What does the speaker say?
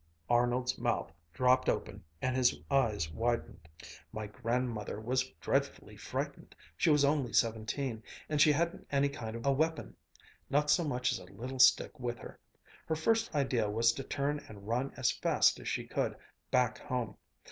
Arnold's mouth dropped open and his eyes widened. "My grandmother was dreadfully frightened. She was only seventeen, and she hadn't any kind of a weapon, not so much as a little stick with her. Her first idea was to turn and run as fast as she could, back home.